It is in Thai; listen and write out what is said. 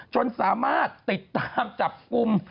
จนสามารถติดตามจับกลุ่ม